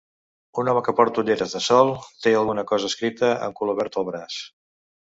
Un home que porta ulleres de sol té alguna cosa escrita en color verd al braç.